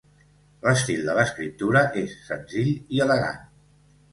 L'estil de l'escriptura és senzill i elegant.